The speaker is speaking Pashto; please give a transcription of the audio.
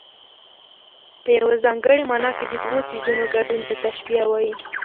په یوه ځانګړې مانا کې د دوو څيزونو ګډون ته تشبېه وايي.